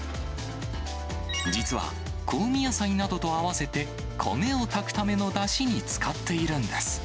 実は、香味野菜などと合わせて、米を炊くためのだしに使っているんです。